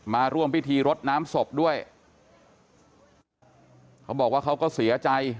มาร่วมพิธีรดน้ำศพด้วยเขาบอกว่าเขาก็เสียใจ